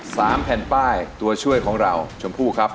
สามแผ่นป้ายตัวช่วยของเราชมพู่ครับ